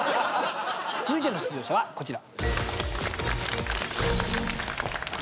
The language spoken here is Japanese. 続いての出場者はこちら。